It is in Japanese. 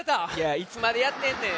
いつまでやってんねん。